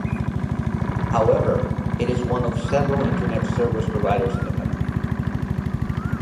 However, it is one of several internet service providers in the country.